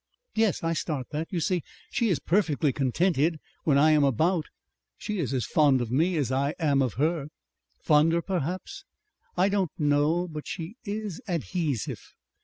"Yes, I start that. You see she is perfectly contented when I am about. She is as fond of me as I am of her." "Fonder perhaps." "I don't know. But she is adhesive.